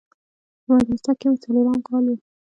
په مدرسه کښې مې څلورم کال و.